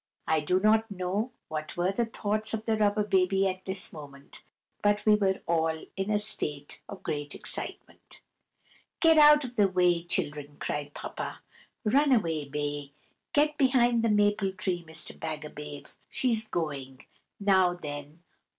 I do not know what were the thoughts of the Rubber Baby at this moment, but we were all in a state of great excitement. "Get out of the way, children!" cried Papa. "Run away, Bay! Get behind the maple tree, Mr. Bagabave! She's going. Now, then!